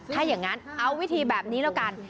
ถ้าอย่างนั้นเอาวิธีแบบนี้แล้วกัน